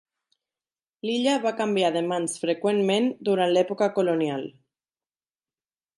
L"illa va canviar de mans freqüentment durant l"època colonial.